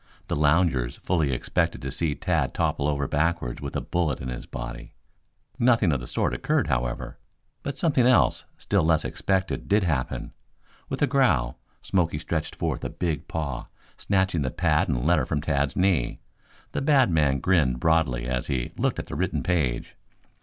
The loungers fully expected to see Tad topple over backwards with a bullet in his body. Nothing of the sort occurred, however. But something else, still less expected, did happen. With a growl, Smoky stretched forth a big paw, snatching the pad and letter from Tad's knee. The bad man grinned broadly as he looked at the written page.